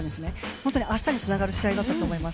本当に明日につながる試合だったと思います。